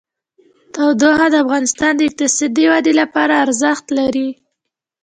تودوخه د افغانستان د اقتصادي ودې لپاره ارزښت لري.